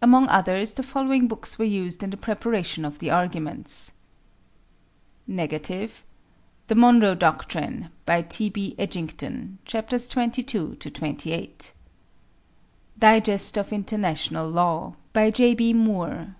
Among others, the following books were used in the preparation of the arguments: N. "The Monroe Doctrine," by T.B. Edgington. Chapters 22 28. "Digest of International Law," by J.B. Moore.